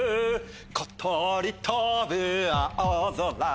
ことりとぶあおぞら